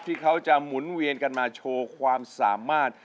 ที่เขาจะหมุนเวียนกันมาโชว์ความสามารถ